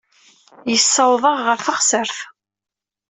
Yessaweḍ-aɣ ɣer teɣsert.